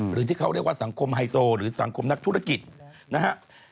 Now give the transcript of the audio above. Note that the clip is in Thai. หรือที่เขาเรียกว่าสังคมไฮโซหรือสังคมนักธุรกิจนะฮะ